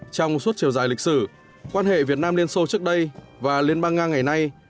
trong suốt chiều dài lịch sử quan hệ việt nam liên xô trước đây và liên bang nga ngày nay